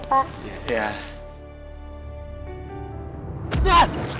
makasih ya pak